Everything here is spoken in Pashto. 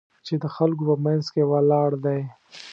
چې د خلکو په منځ کې ولاړ دی.